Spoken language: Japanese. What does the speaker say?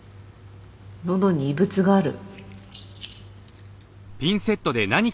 のどに異物がある。